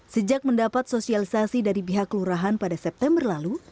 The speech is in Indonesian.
sejak mendapat sosialisasi dari pihak lurahan pada september lalu